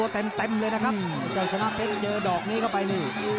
เต็มเลยนะครับเจ้าชนะเพชรเจอดอกนี้เข้าไปนี่